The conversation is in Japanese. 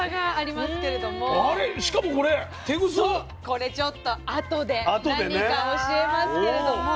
これちょっと後で何か教えますけれども。